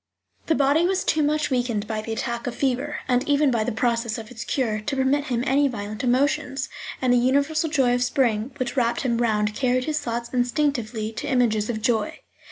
The body was too much weakened by the attack of fever, and even by the process of its cure, to permit him any violent emotions, and the universal joy of spring which wrapped him round carried his thoughts instinctively to images of joy.